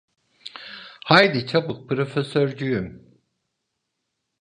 Haydi, çabuk, Profesörcüğüm!